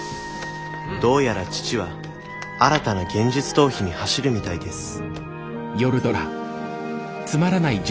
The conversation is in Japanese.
どうやら父は新たな現実逃避に走るみたいです